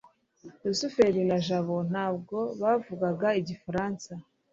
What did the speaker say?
rusufero na jabo ntabwo bavugaga igifaransa